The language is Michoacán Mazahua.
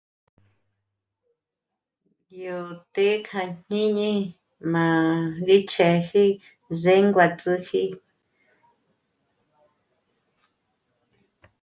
Yo té'e kja jñǐñi ma ri chjěpji zénguatsj'üji